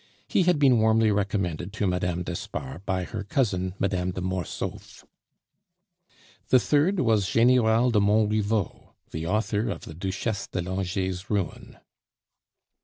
He had been warmly recommended to Mme. d'Espard by her cousin Mme. de Mortsauf. The third was General de Montriveau, the author of the Duchesse de Langeais' ruin.